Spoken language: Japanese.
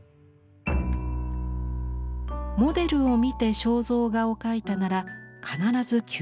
モデルを見て肖像画を描いたなら必ず休憩を取らせたはず。